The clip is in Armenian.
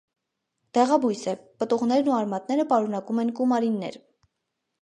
Դեղաբույս է. պտուղներն ու արմատները պարունակում են կումարիններ։